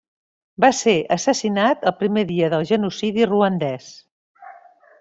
Va ser assassinat el primer dia del genocidi ruandès.